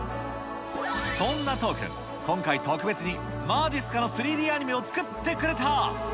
そんな都央君、今回、特別にまじっすかの３Ｄアニメを作ってくれた。